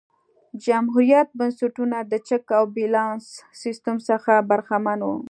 جمهوريت بنسټونه د چک او بیلانس سیستم څخه برخمن وو.